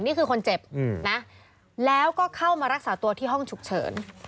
นี่คือคนเจ็บนะแล้วก็เข้ามารักษาตัวที่ห้องฉุกเฉิน